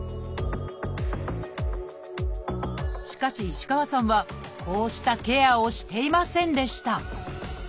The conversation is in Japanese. しかし石川さんはこうしたケアをしていませんでした。